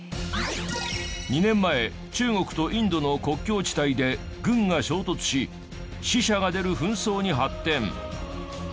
２年前中国とインドの国境地帯で軍が衝突し死者が出る紛争に発展。